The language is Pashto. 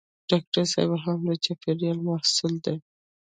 ډاکټر صېب هم د چاپېریال محصول دی.